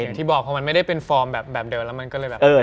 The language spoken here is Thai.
อย่างที่บอกพอมันไม่ได้เป็นฟอร์มแบบเดิมแล้วมันก็เลยแบบ